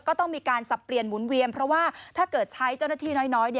ก็ต้องมีการสับเปลี่ยนหมุนเวียนเพราะว่าถ้าเกิดใช้เจ้าหน้าที่น้อย